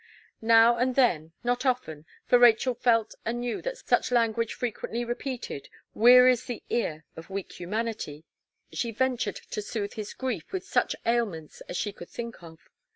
Now and then, not often, for Rachel felt and knew that such language frequently repeated wearies the ear of weak humanity, she ventured to soothe his grief with such ailments as she could think of.